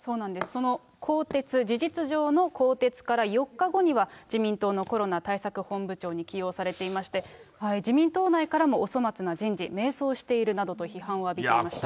その事実上の更迭から４日後には、自民党のコロナ対策本部長に起用されていまして、自民党内からもお粗末な人事、迷走しているなどと批判を浴びていました。